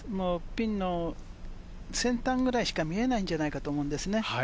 ピンの先端ぐらいしか見えないんじゃないかと思うんですね。